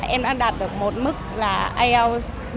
em đã đạt được một mức là ielts bảy